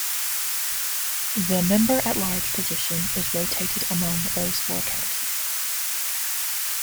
The member-at-large position is rotated among those four counties.